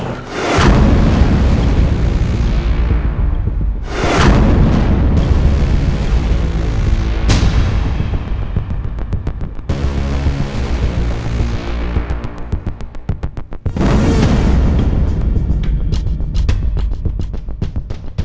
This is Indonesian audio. soal pembunuhan roy